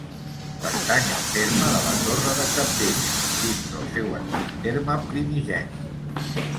Pertany al terme de la Torre de Cabdella, dins del seu antic terme primigeni.